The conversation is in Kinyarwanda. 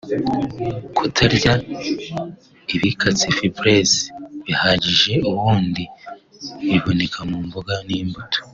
kutarya ibikatsi (fibres) bihagije (ubundi biboneka mu mboga n’imbuto)